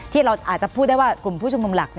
ที่เราอาจจะพูดได้ว่ากลุ่มผู้ชุมนุมหลัก